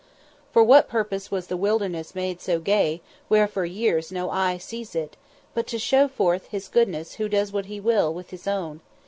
For what purpose was "the wilderness made so gay where for years no eye sees it," but to show forth his goodness who does what he will with his own?